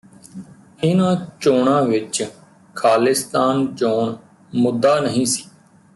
ਇਹਨਾਂ ਚੋਣਾਂ ਵਿਚ ਖਾਲਿਸਤਾਨ ਚੋਣ ਮੁੱਦਾ ਨਹੀਂ ਸੀ